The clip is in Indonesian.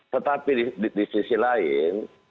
tetapi di sisi lain